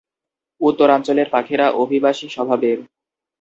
উত্তরাঞ্চলের পাখিরা অভিবাসী স্বভাবের।